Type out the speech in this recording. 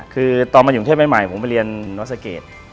คือตอนมาหยุงเทพใหม่ผมไปเรียนวัฒนศักรรณ์